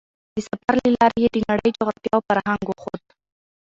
د سفر له لارې یې د نړۍ جغرافیه او فرهنګ وښود.